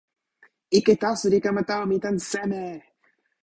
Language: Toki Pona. ike taso li kama tawa mi tan seme?